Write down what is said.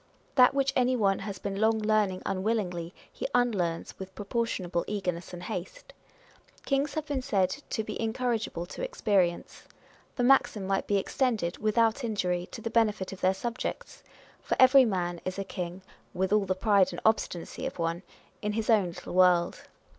That which any one has been long learning unwillingly, he unlearns with proportionable eagerness and haste. Kings have been said to be in corrigible to experience. The maxim might be extended, without injury, to the benefit of their subjects ; for every man is a king (with all the pride and obstinacy of one) in his own little world.